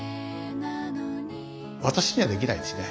私にはできないですね。